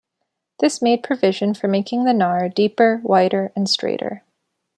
This made provision for making the Nar deeper, wider and straighter.